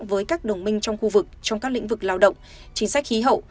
với các đồng minh trong khu vực trong các lĩnh vực lao động chính sách khí hậu